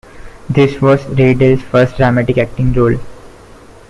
This was Rydell's first dramatic acting role.